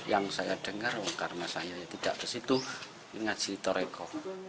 yang saya dengar karena saya tidak ke situ ngaji toreko